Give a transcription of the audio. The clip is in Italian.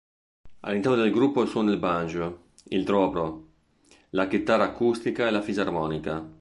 All'interno del gruppo suona il banjo, il dobro, la chitarra acustica e la fisarmonica.